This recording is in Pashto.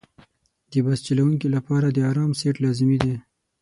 د بس چلوونکي لپاره د آرام سیټ لازمي دی.